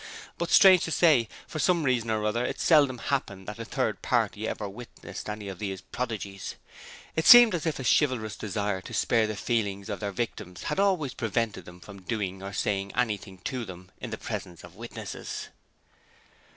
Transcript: But strange to say, for some reason or other, it seldom happened that a third party ever witnessed any of these prodigies. It seemed as if a chivalrous desire to spare the feelings of their victims had always prevented them from doing or saying anything to them in the presence of witnesses.